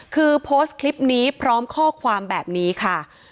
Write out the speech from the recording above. คือโพสต์คลิปนี้พร้อมข้อความแบบนี้ค่ะ